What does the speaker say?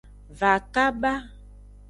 Va kaba.